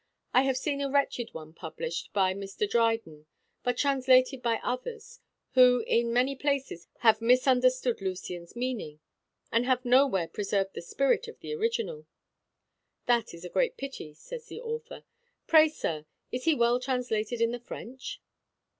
I have seen a wretched one published by Mr. Dryden, but translated by others, who in many places have misunderstood Lucian's meaning, and have nowhere preserved the spirit of the original." "That is great pity," says the author. "Pray, sir, is he well translated in the French?"